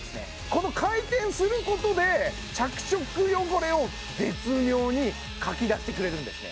この回転することで着色汚れを絶妙にかき出してくれるんです